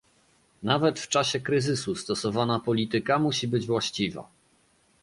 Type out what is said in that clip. Nawet w czasie kryzysu stosowana polityka musi być właściwa